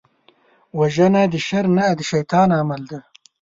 وژنه د شر نه، د شيطان عمل دی